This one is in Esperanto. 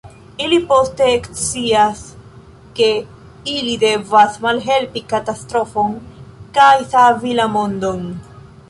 Ili poste ekscias, ke ili devas malhelpi katastrofon kaj savi la mondon.